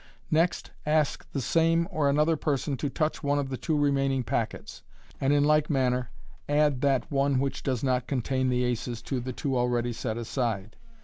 Next ask the same or an other person to touch one of the two remaining packets, and in like manner add that one which does not contain the aces to the two already set aside.